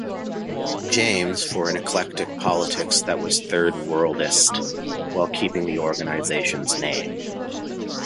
James for an eclectic politics that was third worldist, while keeping the organization's name.